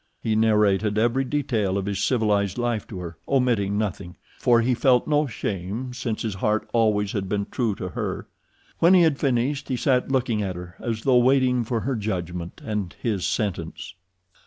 He narrated every detail of his civilized life to her, omitting nothing, for he felt no shame, since his heart always had been true to her. When he had finished he sat looking at her, as though waiting for her judgment, and his sentence.